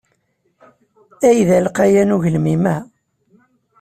Ay d alqayan ugelmim-a!